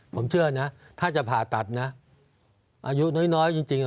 ผมเชื่อนะถ้าจะผ่าตัดนะอายุน้อยน้อยจริงจริงอะ